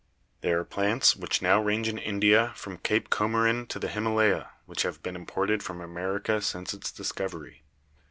"There are plants which now range in India from Cape Comorin to the Himalaya which have been imported from America since its discovery.